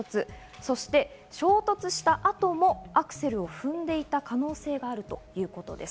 そして衝突した後もアクセルを踏んでいた可能性があるということです。